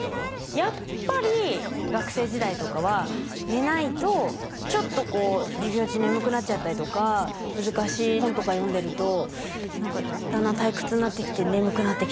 やっぱり学生時代とかは寝ないとちょっとこう授業中眠くなっちゃったりとか難しい本とか読んでると何かだんだん退屈になってきて眠くなってきたりとか。